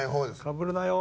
かぶるなよ。